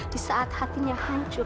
di saat hatinya hancur